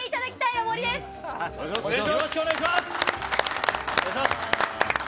よろしくお願いします！